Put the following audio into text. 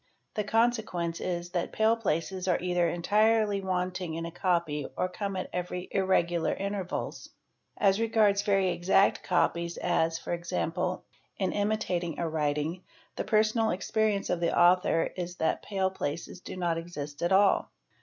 The consequence is that pale places are either entirely wanting in a copy 0 come at every irregular intervals. As regards very exact copies as, ¢.g in imitating a writing, the personal experience of the author is that pal places do not exist at all.